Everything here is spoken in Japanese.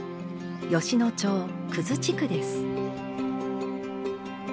吉野町国栖地区です。